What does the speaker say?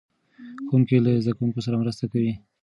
ښوونکي له زده کوونکو سره مرسته کوي.